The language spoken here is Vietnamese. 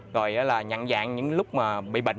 rồi là nhận dạng những lúc mà bị bệnh